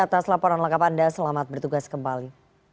atas laporan lengkap anda selamat bertugas kembali